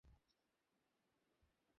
ওকে আমি ওই ট্রাকে করে পাঠিয়ে দিয়েছি।